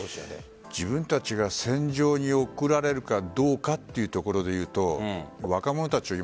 自分たちが戦場に送られるかどうかっていうところでいうと若者たちは